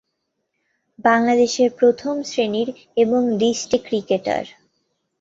বাংলাদেশের প্রথম শ্রেণির এবং লিস্ট এ ক্রিকেটার।